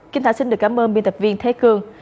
kim thả xin được cảm ơn biên tập viên thế cương